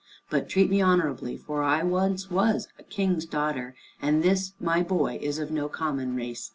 But treat me honorably, for I was once a king's daughter, and this my boy is of no common race.